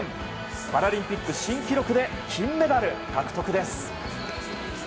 パラリンピック新記録で金メダル獲得です。